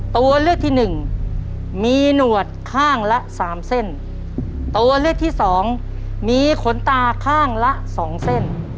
ตัวเลือกที่หนึ่งมีหนวดข้างละสามเส้นตัวเลือกที่สองมีขนตาข้างละสองเส้น